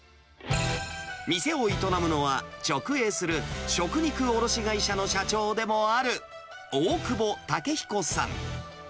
店を営むのは、直営する食肉卸売り会社の社長でもある、大久保武彦さん。